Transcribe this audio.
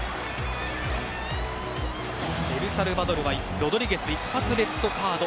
エルサルバドルはロドリゲス、一発レッドカード。